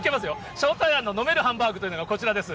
しょうたいあんの飲めるハンバーグというのがこちらです。